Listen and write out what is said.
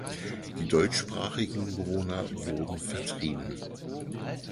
Die deutschsprachigen Bewohner wurden vertrieben.